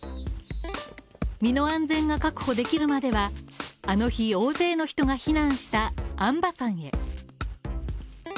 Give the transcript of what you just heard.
身の安全が確保できるまではあの日、大勢の人が避難した安波山へ。